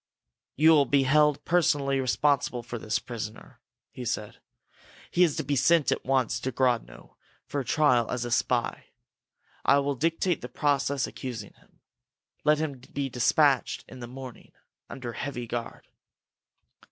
"You will be held personally responsible for this prisoner," he said. "He is to be sent at once to Grodno for trial as a spy. I will dictate the process accusing him. Let him be dispatched in the morning, under heavy guard."